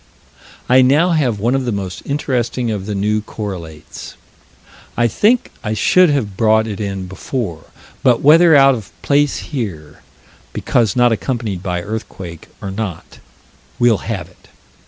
I now have one of the most interesting of the new correlates. I think I should have brought it in before, but, whether out of place here, because not accompanied by earthquake, or not, we'll have it.